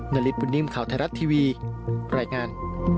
นาริสบุญนิ่มข่าวไทยรัฐทีวีรายงาน